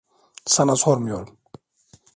Sana sormuyorum.